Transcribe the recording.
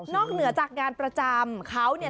เหนือจากงานประจำเขาเนี่ย